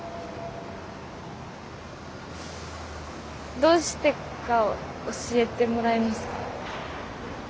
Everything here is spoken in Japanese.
どうしてか教えてもらえますか？